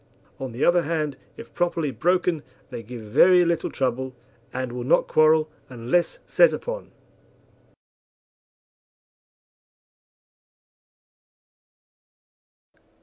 On the other hand, if properly broken they give very little trouble, and will not quarrel unless set upon.